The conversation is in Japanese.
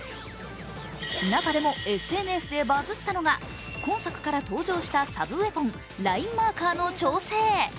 中でもＳＮＳでバズったのが今作から登場したサブウェポン、ラインマーカーの調整。